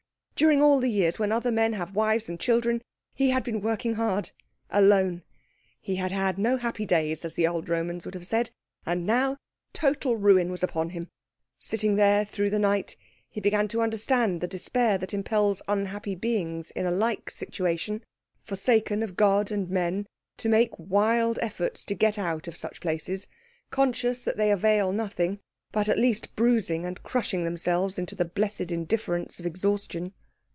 During all the years when other men have wives and children he had been working hard, alone. He had had no happy days, as the old Romans would have said. And now total ruin was upon him. Sitting there through the night, he began to understand the despair that impels unhappy beings in a like situation, forsaken of God and men, to make wild efforts to get out of such places, conscious that they avail nothing, but at least bruising and crushing themselves into the blessed indifference of exhaustion.